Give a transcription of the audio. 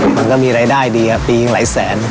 มันก็มีรายได้ดีปีหลายแสน